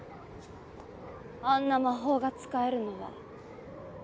あんな魔法が使えるのは。